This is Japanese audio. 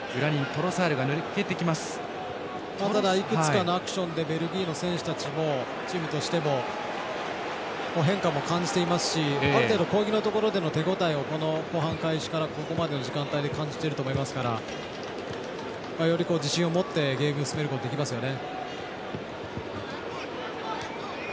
いくつかのアクションでベルギーの選手たちもチームとしても変化も感じていますしある程度、攻撃のところでの手応えを後半開始からここまでの時間帯で感じていると思いますからより自信を持ってゲームを進めることできますよね。